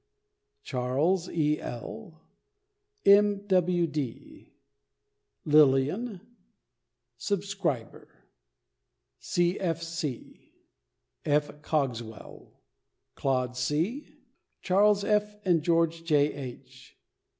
Charles E. L., M. W. D., Lilian, "Subscriber," C. F. C., F. Coggswell, Claude C., Charles F. and George J. H.